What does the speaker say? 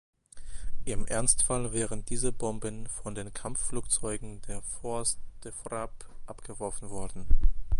Im Ernstfall wären diese Bomben von den Kampfflugzeugen der Force de frappe abgeworfen worden.